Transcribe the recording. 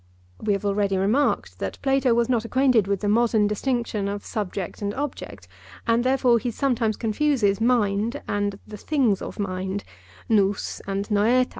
We have already remarked that Plato was not acquainted with the modern distinction of subject and object, and therefore he sometimes confuses mind and the things of mind—(Greek) and (Greek).